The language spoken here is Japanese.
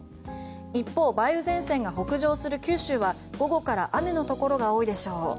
一方、梅雨前線が北上する九州は午後から雨のところが多いでしょう。